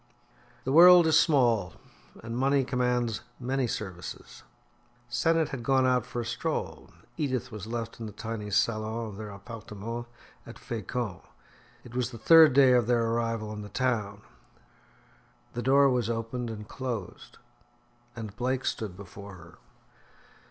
The world is small, and money commands many services. Sennett had gone out for a stroll; Edith was left in the tiny salon of their appartement at Fecamp. It was the third day of their arrival in the town. The door was opened and closed, and Blake stood before her.